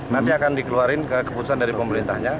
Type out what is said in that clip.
nanti akan dikeluarin ke keputusan dari pemerintahnya